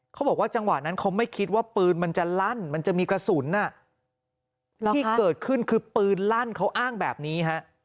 เขาบอกว่าจังหวะนั้นเขาไม่คิดว่าปืนมันจะลั่นมันจะมีกระสุนที่เกิดขึ้นคือปืนลั่นเขาอ้างแบบนี้ฮะ